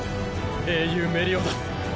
英雄メリオダス！